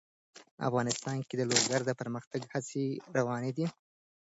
افغانستان کې د لوگر د پرمختګ هڅې روانې دي.